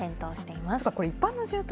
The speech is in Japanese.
これ、一般の住宅？